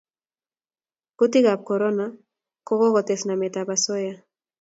Kutikab korona ko kokotes namet ab asoya